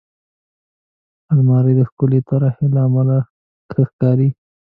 الماري د ښکلې طراحۍ له امله ښه ښکاري